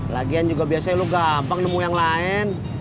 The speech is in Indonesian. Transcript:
lagian juga biasanya lu gampang nemu yang lain